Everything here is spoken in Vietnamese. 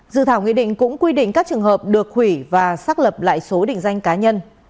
dự thảo nghị định cũng quy định các trường hợp được hủy và xác lập lại số định danh cá nhân